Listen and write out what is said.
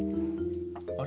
あれ？